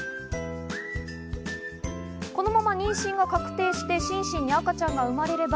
このまま妊娠が確定して、シンシンに赤ちゃんが生まれれば、